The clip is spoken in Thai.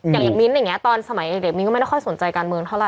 อย่างมิ้นท์อย่างนี้ตอนสมัยเด็กมิ้นก็ไม่ได้ค่อยสนใจการเมืองเท่าไห